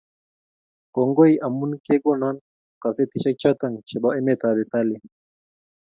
Kongoi amu kegono kazetishek choto chebo emetab Italia